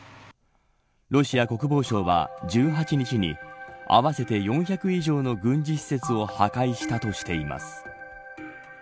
ロシア国防省は１８日に合わせて４００以上の軍事施設を破壊したとしています。